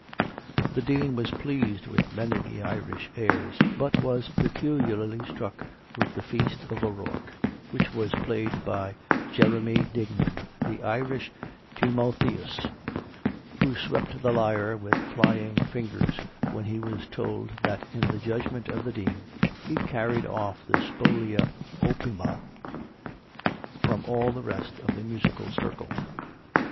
The Dean was pleased with many of the Irish airs, but was peculiarly struck with the Feast of O'Rourke, which was played by Jeremy Dignum, the Irish Timotheus, who swept the lyre with flying fingers, when he was told that in the judgment of the Dean, he carried off the spolia opima from all the rest of the musical circle.